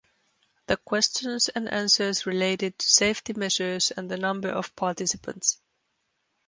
The questions and answers related to safety measures and the number of participants.